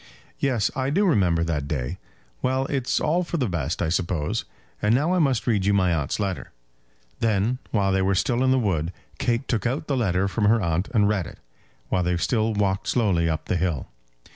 "Yes; I do remember that day. Well; it's all for the best, I suppose. And now I must read you my aunt's letter." Then, while they were still in the wood, Kate took out the letter from her aunt and read it, while they still walked slowly up the hill.